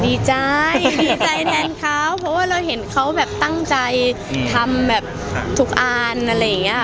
ดีใจดีใจแทนเขาเพราะว่าเราเห็นเขาแบบตั้งใจทำแบบทุกอันอะไรอย่างนี้